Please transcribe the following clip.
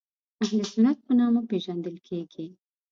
اهل سنت په نامه پېژندل کېږي.